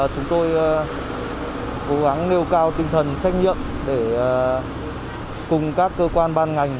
chúng tôi cố gắng nêu cao tinh thần trách nhiệm để cùng các cơ quan ban ngành